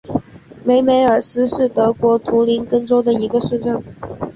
梅梅尔斯是德国图林根州的一个市镇。